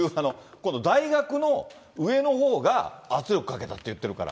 今度、大学の上のほうが圧力かけたって言ってるから。